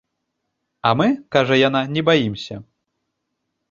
А мы, кажа яна, не баімся.